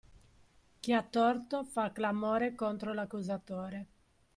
Chi ha torto fa clamore contro l'accusatore.